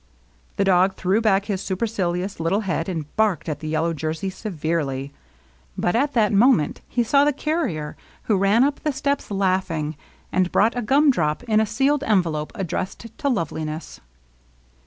The dog threw back his supercilious little head and barked at the yellow jersey severely. But at that moment he saw the carrier, who ran up the steps laughing, and brought a gumdrop in a sealed envelope addressed to Love liness.